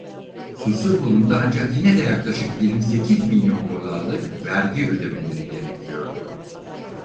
Suçsuz bulundu ancak yine de yaklaşık yirmi sekiz milyon dolarlık vergi ödemeleri gerekiyordu.